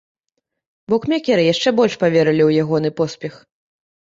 Букмекеры яшчэ больш паверылі ў ягоны поспех.